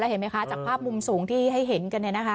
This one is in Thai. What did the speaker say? แล้วเห็นไหมคะจากภาพมุมสูงที่ให้เห็นกันเนี่ยนะคะ